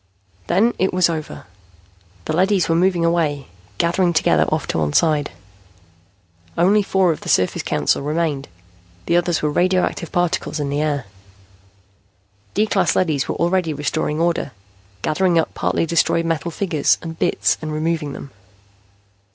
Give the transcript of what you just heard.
Then it was over. The leadys were moving away, gathering together off to one side. Only four of the Surface Council remained. The others were radioactive particles in the air. D class leadys were already restoring order, gathering up partly destroyed metal figures and bits and removing them.